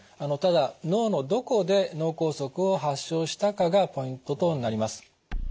ただ脳のどこで脳梗塞を発症したかがポイントとなります。